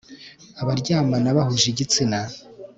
Abaryamana bahuje igitsina